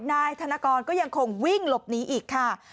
นายธนกรก็ยังคงวิ่งหลบหนีอีกค่ะ